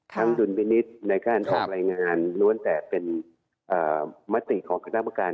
ทั้งดุลพินิษฐ์ในการตรงรายงานนวดแต่เป็นมติของคุณภักราชการ